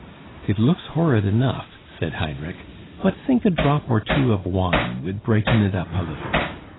"It looks horrid enough," said Heinrich, "but think a drop or two of wine would brighten it up a little."